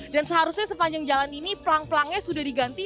dan seharusnya sepanjang jalan ini pelang pelangnya sudah diganti